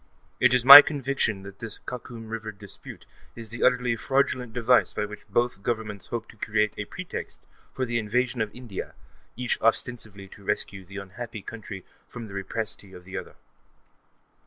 It is my conviction that this Khakum River dispute is the utterly fraudulent device by which both Governments hope to create a pretext for the invasion of India, each ostensibly to rescue that unhappy country from the rapacity of the other.